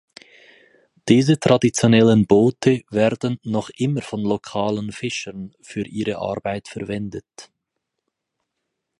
Diese traditionellen Boote werden noch immer von lokalen Fischern für ihre Arbeit verwendet.